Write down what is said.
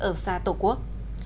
ở xa tổ quốc